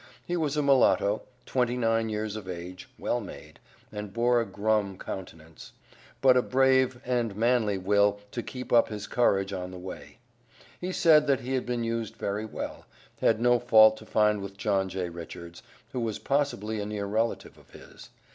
He was a mulatto, twenty nine years of age, well made, and bore a grum countenance, but a brave and manly will to keep up his courage on the way. He said that he had been used very well, had no fault to find with John J. Richards, who was possibly a near relative of his.